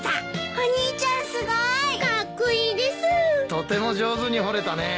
とても上手に掘れたね。